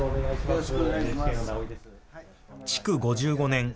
築５５年。